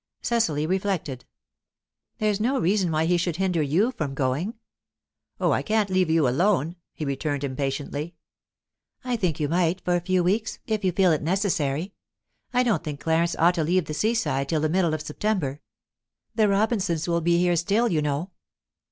Cecily reflected. "There's no reason why he should hinder you from going." "Oh, I can't leave you alone," he returned impatiently. "I think you might, for a few weeks if you feel it necessary. I don't think Clarence ought to leave the seaside till the middle of September. The Robinsons will be here still, you know."